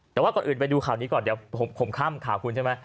แต่ก่อนอื่นไปดูข่าวนี้ก่อนเดี๋ยวผมค่ำขาขุรใช่ไหม